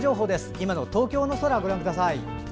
今の東京の空ご覧ください。